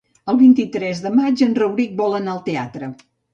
El vint-i-tres de maig en Rauric vol anar al teatre.